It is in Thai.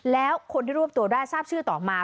แล้วคนที่รวบตัวได้ทราบชื่อต่อมา